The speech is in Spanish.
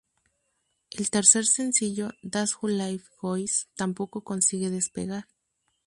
El tercer sencillo "That's How Life Goes" tampoco consigue despegar.